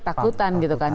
takutan gitu kan